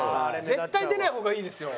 絶対出ない方がいいですよ。